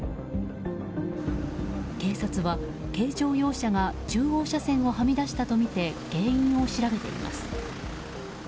警察は軽乗用車が中央車線をはみ出したとみて原因を調べています。